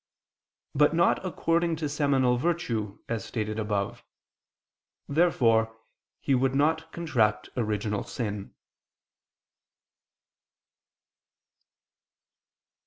], but not according to seminal virtue, as stated above. Therefore he would not contract original sin.